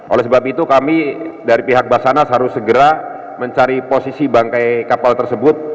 oleh sebab itu kami dari pihak basarnas harus segera mencari posisi bangkai kapal tersebut